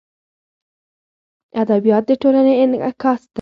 ادبیات د ټولنې انعکاس دی.